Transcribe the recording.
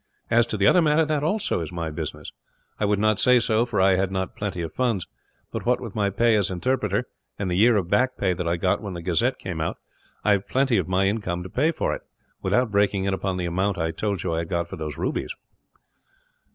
As to the other matter, that also is my business. I would not say so, if I had not plenty of funds, but what with my pay as interpreter, and the year of back pay that I got when the Gazette came out, I have plenty out of my income to pay for it, without breaking in upon the amount I told you I had got for those rubies."